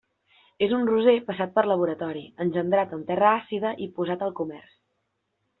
És un roser passat per laboratori, engendrat en terra àcida i posat al comerç.